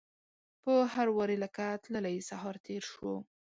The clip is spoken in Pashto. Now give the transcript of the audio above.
په هر واري لکه تللی سهار تیر شو